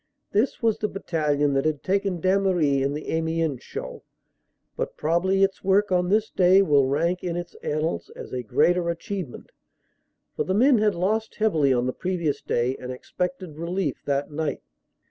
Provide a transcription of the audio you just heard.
This was the battalion that had taken Damery in the Amiens show, but probably its work on this day will rank in its annals as a greater achievement, for the men had lost heavily on the previous day and expected relief that night.